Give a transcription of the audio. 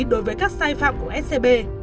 đối với các sai phạm của scb